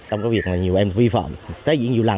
trong các việc nhiều em vi phạm tái diễn nhiều lần